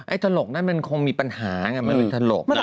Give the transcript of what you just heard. ไอ้ทะลกนั้นมันคงมีปัญหามันไม่ทะลก